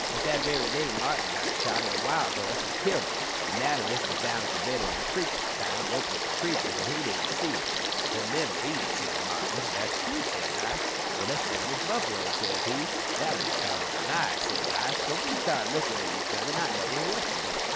But that very day Martin got a shot at a wild horse an' killed it. The natter list was down in the bed o' a creek at the time gropin' for creepers, an' he didn't see it. "'He'll niver eat it,' says Martin. "'That's true,' says I. "'Let's tell him it's a buffalo,' says he. "'That would be tellin' a lie,' says I. "So we stood lookin' at each other, not knowin' what to do.